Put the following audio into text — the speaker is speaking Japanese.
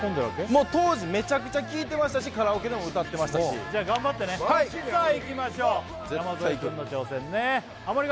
もう当時メチャクチャ聴いてましたしカラオケでも歌ってましたしじゃあ頑張ってねさあいきましょう山添君の挑戦ねハモリ